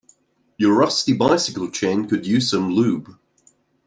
Your rusty bicycle chain could use some lube.